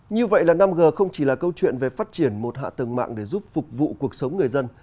như vậy là năm g không chỉ là câu chuyện về phát triển một hạ tầng mạng để giúp phục vụ cuộc sống người dân